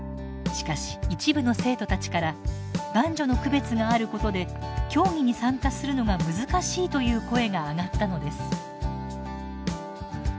しかし一部の生徒たちから男女の区別があることで競技に参加するのが難しいという声が上がったのです。